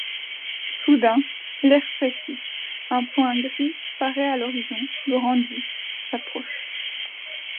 Soudain l’air fraîchit ; un point gris paraît à l’horizon, grandit, s’approche.